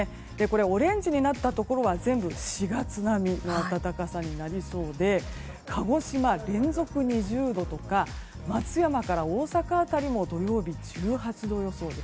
オレンジになったところは全部、４月並みの暖かさになりそうで鹿児島、連続２０度とか松山から大阪辺りも土曜日は１８度予想。